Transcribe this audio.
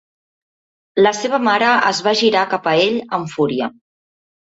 La seva mare es va girar cap a ell amb fúria.